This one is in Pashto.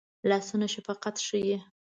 لاسونه شفقت ښيي